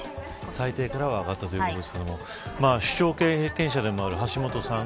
最低からは上がったということですけれども市長経験者でもある橋下さん